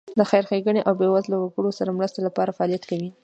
د خیر ښېګڼې او بېوزله وګړو سره مرستې لپاره فعالیت کوي.